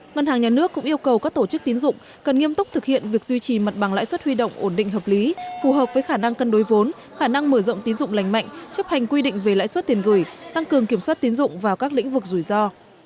ngân hàng nhà nước cũng yêu cầu các tổ chức tín dụng cần nghiêm túc thực hiện việc duy trì mặt bằng lãi suất huy động ổn định hợp lý phù hợp với khả năng cân đối vốn khả năng mở rộng tín dụng lành mạnh chấp hành quy định về lãi suất tiền gửi tăng cường kiểm soát tiến dụng vào các lĩnh vực rủi ro